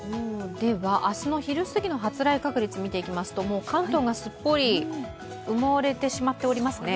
では、明日の昼すぎの発雷確率を見ていきますともう関東がすっぽり埋もれてしまっておりますね。